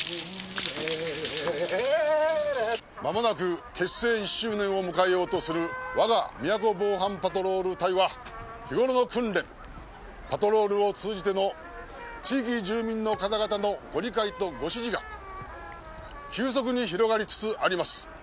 間もなく結成１周年を迎えようとする我がみやこ防犯パトロール隊は日頃の訓練パトロールを通じての地域住民の方々のご理解とご支持が急速に広がりつつあります。